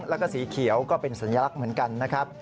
แล้วก็สีเขียวก็เป็นสัญลักษณ์เหมือนกันนะครับ